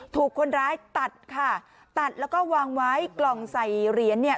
ถูกคนร้ายตัดค่ะตัดแล้วก็วางไว้กล่องใส่เหรียญเนี่ย